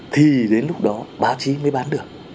thì đến lúc đó báo chí mới bán được